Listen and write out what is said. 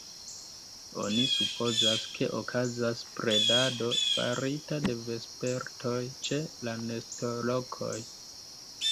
Oni supozas, ke okazas predado farita de vespertoj ĉe la nestolokoj.